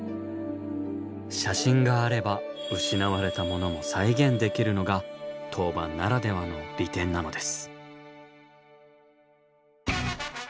写真があれば失われたものも再現できるのが陶板ならではの利点なのです。